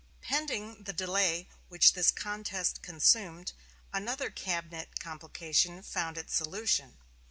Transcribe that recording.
Pending the delay which this contest consumed, another cabinet complication found its solution.